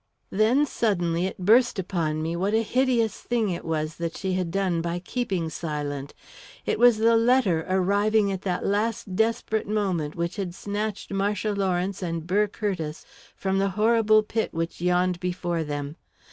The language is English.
Then, suddenly, it burst upon me what a hideous thing it was that she had done by keeping silent. It was the letter, arriving at that last desperate moment, which had snatched Marcia Lawrence and Burr Curtiss from the horrible pit which yawned before them.